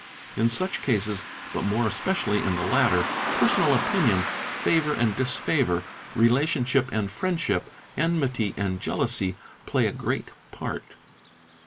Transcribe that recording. In such cases, but more especially in the latter, personal opinion, favour and disfavour, relationship and friendship, enmity and jealousy, play — a great part.